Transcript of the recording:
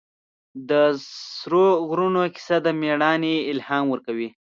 د سرو غرونو کیسه د مېړانې الهام ورکوي.